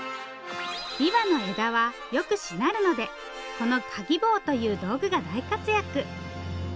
びわの枝はよくしなるのでこのかぎ棒という道具が大活躍。